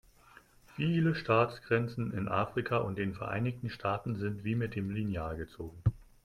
Viele Staatsgrenzen in Afrika und den Vereinigten Staaten sind wie mit dem Lineal gezogen.